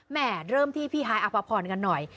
เริ่มที่พี่ฮายอภพรกันหน่อย